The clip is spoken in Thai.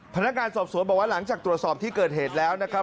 พนักงานสอบสวนบอกว่าหลังจากตรวจสอบที่เกิดเหตุแล้วนะครับ